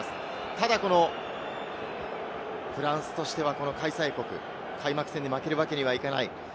ただ、このフランスとしてはこの開催国、開幕戦で負けるわけにはいけない。